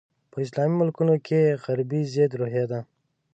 په اسلامي ملکونو کې غربي ضد روحیه ده.